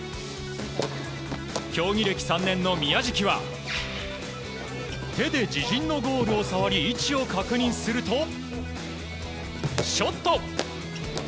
競技歴３年の宮食は手で自陣のゴールを触り位置を確認するとショット。